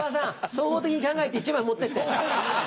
総合的に考えて１枚持ってって。